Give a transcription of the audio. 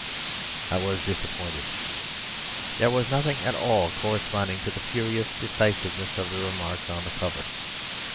I was disappointed. There was nothing at all corresponding to the furious decisiveness of the remarks on the cover.